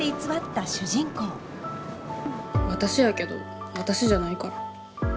私やけど私じゃないから。